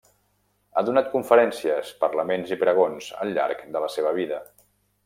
Ha donat conferències, parlaments i pregons, al llarg de la seva vida.